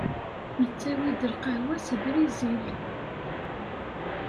Nettawi-d lqahwa seg Brizil.